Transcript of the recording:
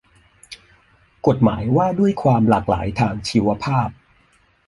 กฎหมายว่าด้วยความหลากหลายทางชีวภาพ